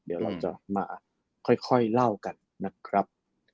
เดี๋ยวเราจะมาค่อยเล่ากันนะครับ